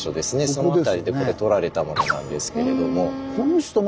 その辺りでこれ撮られたものなんですけれども。